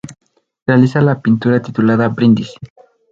Realiza la pintura titulada ‘‘Brindis’’.